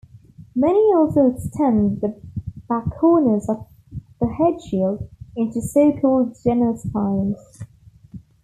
Many also extend the backcorners of the headshield into so-called genal spines.